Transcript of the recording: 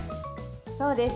そうです。